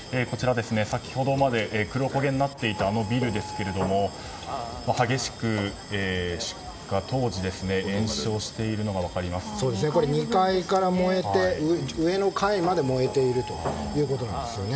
先ほどまで黒焦げになっていたあのビルですが出火当時激しく延焼しているのが２階から燃えて上の階まで燃えているということですね。